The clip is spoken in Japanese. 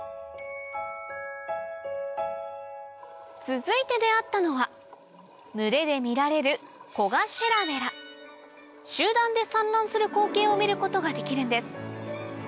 続いて出合ったのは群れで見られる集団で産卵する光景を見ることができるんです